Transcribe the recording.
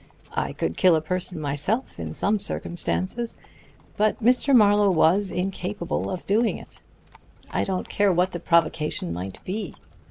I could kill a person myself in some circumstances. But Mr. Marlowe was incapable of doing it. I don't care what the provocation might be.